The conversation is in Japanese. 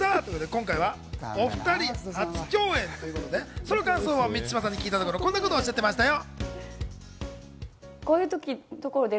今回は、お２人、初共演ということで、その感想を満島さんに聞いたところ、こんなことをおっしゃっていましたよ。